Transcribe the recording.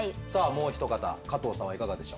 もうひと方加藤さんはいかがでしょう？